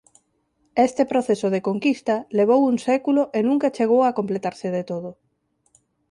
Este proceso de conquista levou un século e nunca chegou a completarse do todo.